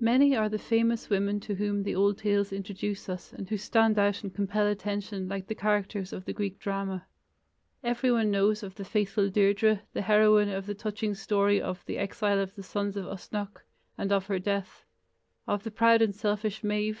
Many are the famous women to whom the old tales introduce us and who stand out and compel attention like the characters of the Greek drama. Everyone knows of the faithful Deirdre, the heroine of the touching story of the "Exile of the Sons of Usnech", and of her death; of the proud and selfish Medb.